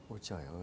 ôi trời ơi